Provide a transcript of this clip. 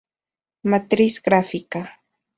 Matriz gráfica.